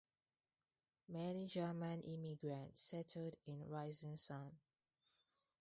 Many German immigrants settled in Rising Sun.